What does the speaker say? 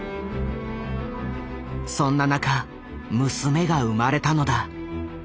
そんな中娘が生まれたのだ。